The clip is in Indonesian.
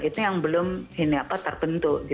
itu yang belum terbentuk